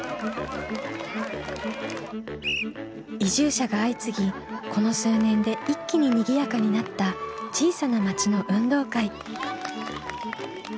移住者が相次ぎこの数年で一気ににぎやかになった小さな町の運動会。